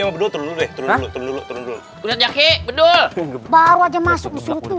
baru aja masuk